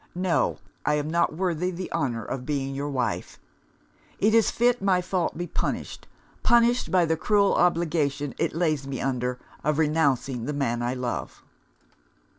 No! I am not worthy the honour of being your wife! It is fit my fault be punished punished by the cruel obligation it lays me under of renouncing the man I love!